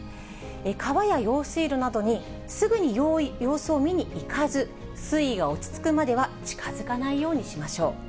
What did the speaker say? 川や用水路などにすぐに様子を見に行かず、水位が落ち着くまでは、近づかないようにしましょう。